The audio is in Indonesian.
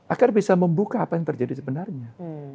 agar bisa membuka apa yang terjadi sebenarnya